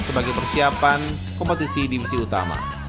sebagai persiapan kompetisi divisi utama